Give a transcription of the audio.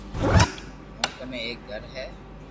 مون ڪني ايڪ گھر ھي